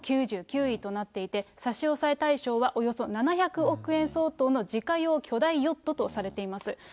世界長者番付でも９９位となっていて、差し押さえ対象はおよそ７００億円相当の自家用巨大ヨットとされています。